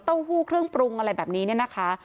เต้าหู้เครื่องปรุงอะไรแบบนี้นะคะ